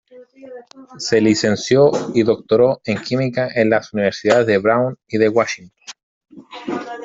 Se licenció y doctoró en química en las Universidades de Brown y de Washington.